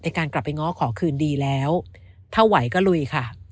การกลับไปง้อขอคืนดีแล้วถ้าไหวก็ลุยค่ะ